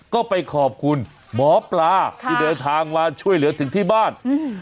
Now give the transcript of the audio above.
ก็ไปขอบคุณหมอปลาที่เดินทางมาช่วยเหลือถึงที่บ้าน